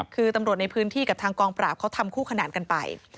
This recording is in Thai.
คือตำรวจในพื้นที่กับทางกองปราบเขาทำคู่ขนานกันไป